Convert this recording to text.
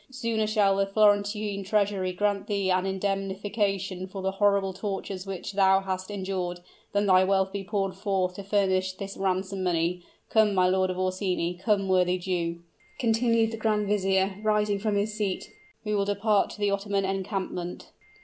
Sooner shall the Florentine Treasury grant thee an indemnification for the horrible tortures which thou hast endured, than thy wealth be poured forth to furnish this ransom money. Come, my Lord of Orsini come, worthy Jew," continued the grand vizier, rising from his seat, "we will depart to the Ottoman encampment."